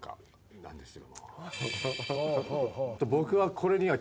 なんですよ。